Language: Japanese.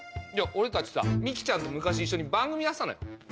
俺たちさ美紀ちゃんと昔一緒に番組やってたのよ。